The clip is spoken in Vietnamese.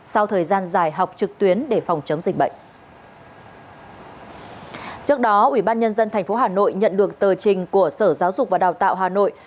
sau đó ubnd tp hà nội nhận được tờ trình của sở giáo dục và đào tạo hà nội